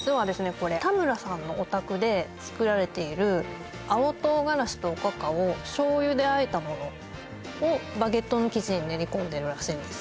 これ田村さんのお宅で作られている青唐辛子とおかかを醤油であえたものをバゲットの生地に練り込んでるらしいんです